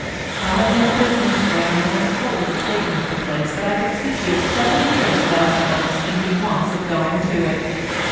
I have no business there, and am so little taken with the place that I could sit here seven years without so much as thinking once of going to it.